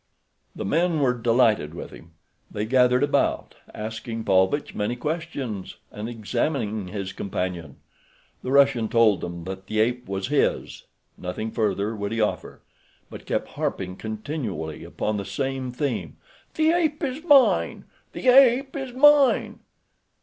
The men were delighted with him. They gathered about, asking Paulvitch many questions, and examining his companion. The Russian told them that the ape was his—nothing further would he offer—but kept harping continually upon the same theme, "The ape is mine. The ape is mine."